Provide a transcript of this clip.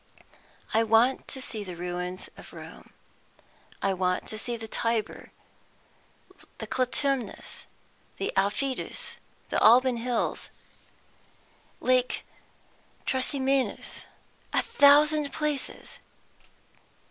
I want to see the ruins of Rome; I want to see the Tiber, the Clitumnus, the Aufidus, the Alban Hills, Lake Trasimenus, a thousand places!